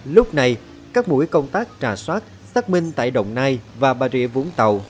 lúc này các mũi công tác trà soát xác minh tại đồng nai và bà rịa vũng tàu